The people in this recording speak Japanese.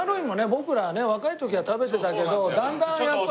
僕らはね若い時は食べてたけどだんだんやっぱり。